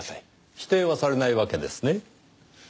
否定はされないわけですね。